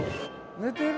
寝てる？